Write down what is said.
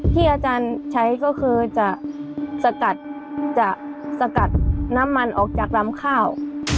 ที่อาจารย์ใช้ก็คือจะสกัดจะสกัดน้ำมันออกจากลำข้าว